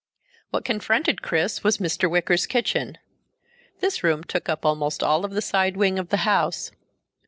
What confronted Chris was Mr. Wicker's kitchen. This room took up almost all of the side wing of the house.